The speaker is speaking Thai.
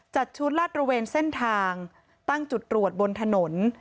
จัดชุดลาดระเวนเส้นทางตั้งจุดตรวจบนถนน